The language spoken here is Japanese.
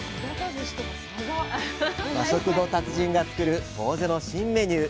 和食の達人が作るぼうぜの新メニュー